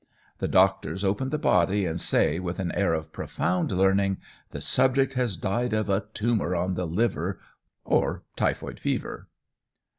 The doctors open the body, and say, with an air of profound learning, 'The subject has died of a tumour on the liver, or typhoid fever.'"